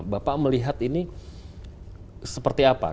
bapak melihat ini seperti apa